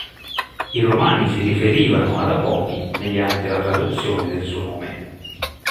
I romani si riferivano ad Apopi mediante la traduzione del suo nome.